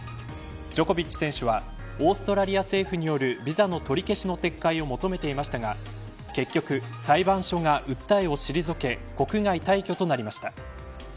ジョコビッチ選手はオーストラリア政府によるビザの取り消しの撤回を求めていましたが結局、裁判所が訴えを退け国外退去となりました。